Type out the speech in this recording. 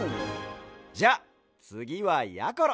じゃあつぎはやころ！